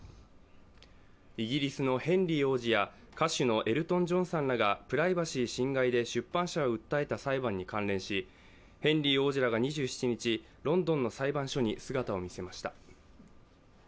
イギリスのヘンリー王子や歌手のエルトン・ジョンさんらがプライバシー侵害で出版社を訴えた裁判に関連し、ヘンリー王子が２７日、ロンドンの裁判所に姿を見せました。